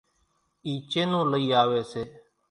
اِي چينون لئِي آويَ سي۔